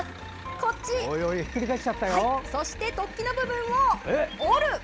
こっち、そして突起部分を折る！